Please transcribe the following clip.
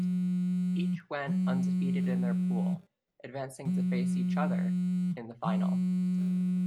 Each went undefeated in their pool, advancing to face each other in the final.